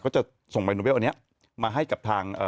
เขาจะส่งแบบนี้มาให้กับทาง